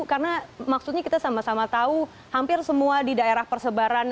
karena maksudnya kita sama sama tahu hampir semua di daerah persebaran